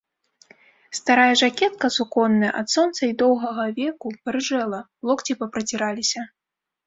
Старая жакетка суконная ад сонца й доўгага веку парыжэла, локці папраціраліся.